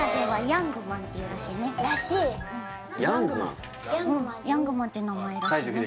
ヤングマンって名前らしいね